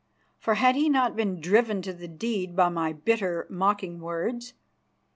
For had he not been driven to the deed by my bitter, mocking words?